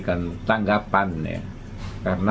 tentang kecurangan pemilu dua puluh empat distansi